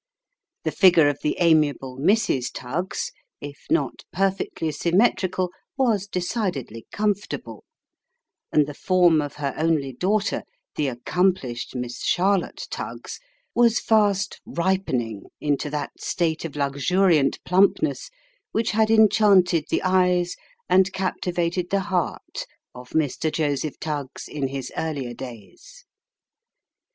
The figure of the amiable Mrs. Tuggs, if not perfectly symmetrical, was decidedly comfortable ; and the form of her only daughter, the accomplished Miss Charlotte Tuggs, was fast ripening into that state of luxuriant plumpness which had en chanted the eyes, and captivated the heart, of Mr. Joseph Tuggs in his earlier days.